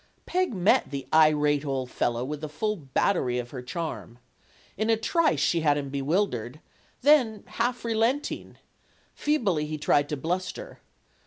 Peg met the irate old fellow with the full battery of her charm. In a trice she had him bewildered, then half relenting. Feebly he tried to bluster.